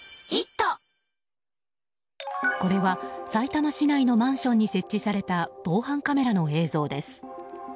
これはさいたま市内のマンションに設置された防犯カメラの映像です。